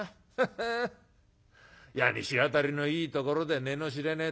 いやに日当たりのいいところで値の知れねえ